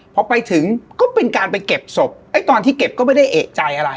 พอไปถึงก็เป็นการไปเก็บศพไอ้ตอนที่เก็บก็ไม่ได้เอกใจอะไร